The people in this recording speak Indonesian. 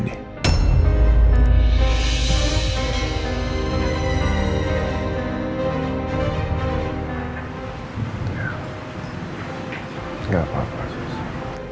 lama juga ini